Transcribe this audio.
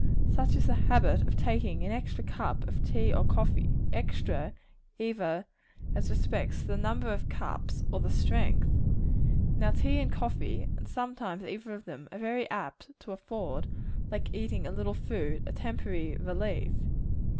Such is the habit of taking an extra cup of tea or coffee extra, either as respects the number of cups or the strength. Now tea and coffee and sometimes either of them are very apt to afford, like eating a little food, a temporary relief.